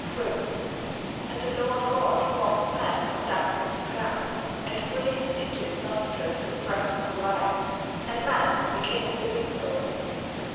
[Verse: "And the Lord God formed man of the dust of the ground, and breathed into his nostrils the breath of life; and man became a living soul."